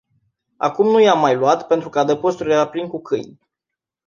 Acum nu i-am mai luat, pentru că adăpostul era plin cu câini.